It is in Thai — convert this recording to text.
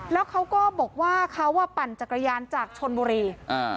แล้วเขาก็บอกว่าเขาอ่ะปั่นจักรยานจากชนบุรีอ่า